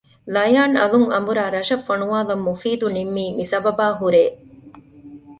ލަޔާން އަލުން އަނބުރާ ރަށަށް ފޮނުވާލަން މުފީދު ނިންމީ މި ސަބަބާހުރޭ